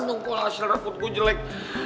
tunggu hasil rebut gue jelek